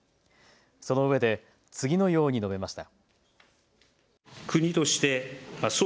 そのうえで次のように述べました。